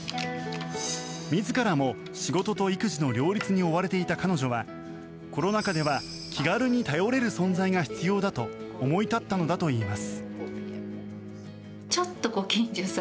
自らも仕事と育児の両立に追われていた彼女はコロナ禍では気軽に頼れる存在が必要だと思い立ったのだといいます。